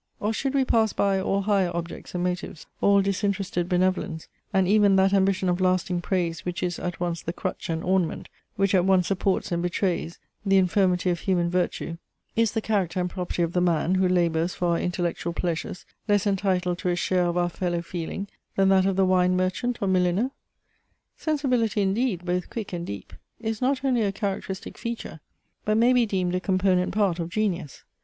Or, should we pass by all higher objects and motives, all disinterested benevolence, and even that ambition of lasting praise which is at once the crutch and ornament, which at once supports and betrays, the infirmity of human virtue, is the character and property of the man, who labours for our intellectual pleasures, less entitled to a share of our fellow feeling, than that of the wine merchant or milliner? Sensibility indeed, both quick and deep, is not only a characteristic feature, but may be deemed a component part, of genius.